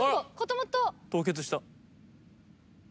凍結した！